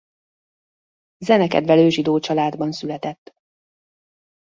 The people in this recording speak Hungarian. Zenekedvelő zsidó családban született.